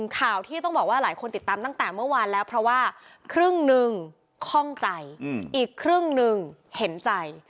ข่าวที่ต้องบอกว่าหลายคนติดตามตั้งแต่เมื่อวานแล้วเพราะว่าครึ่งหนึ่งข้องใจอีกครึ่งหนึ่งเห็นใจ